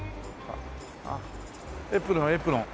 エプロンエプロン。